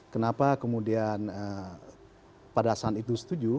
kenapa kemudian pada saat itu setuju